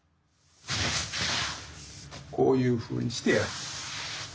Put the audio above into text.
こういうふうにしてやる。